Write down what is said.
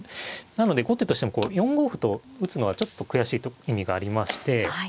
なので後手としてもこう４五歩と打つのはちょっと悔しい意味がありまして。